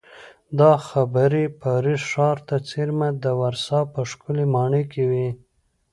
دا خبرې پاریس ښار ته څېرمه د ورسا په ښکلې ماڼۍ کې وې